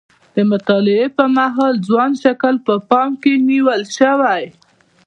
د مطالعې پر مهال ځوان شکل په پام کې نیول شوی.